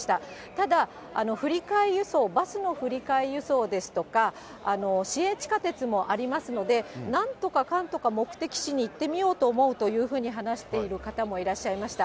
ただ、振り替え輸送、バスの振り替え輸送ですとか、市営地下鉄もありますので、なんとかかんとか、目的地に行ってみようと思うというふうに話している方もいらっしゃいました。